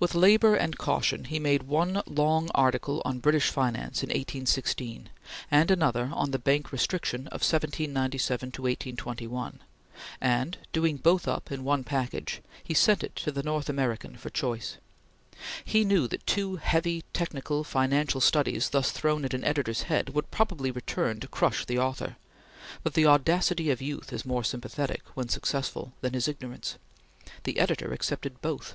With labor and caution he made one long article on British Finance in 1816, and another on the Bank Restriction of 1797 1821, and, doing both up in one package, he sent it to the North American for choice. He knew that two heavy, technical, financial studies thus thrown at an editor's head, would probably return to crush the author; but the audacity of youth is more sympathetic when successful than his ignorance. The editor accepted both.